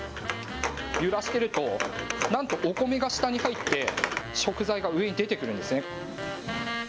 揺らしていると、なんとお米が下に入って、食材が上に出てくるんですね。